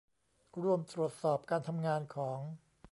ร่วมตรวจสอบการทำงานของ